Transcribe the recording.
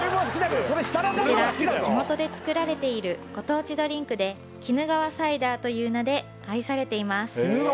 こちら地元で作られているご当地ドリンクで鬼怒川サイダーという名で愛されています